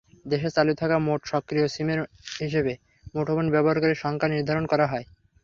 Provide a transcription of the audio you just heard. দেশে চালু থাকা মোট সক্রিয় সিমের হিসেবে মুঠোফোন ব্যবহারকারীর সংখ্যা নির্ধারণ করা হয়।